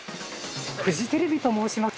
フジテレビと申します。